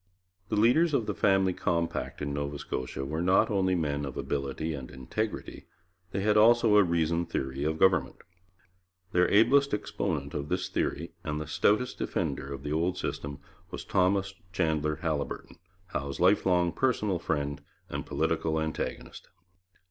The leaders of the Family Compact in Nova Scotia were not only men of ability and integrity, they had also a reasoned theory of government. Their ablest exponent of this theory and the stoutest defender of the old system was Thomas Chandler Haliburton, Howe's lifelong personal friend and political antagonist.